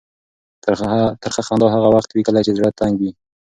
ترخه خندا هغه وخت وي کله چې زړه تنګ وي.